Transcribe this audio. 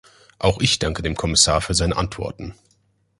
Auch ich danke dem Kommissar für seine Antworten.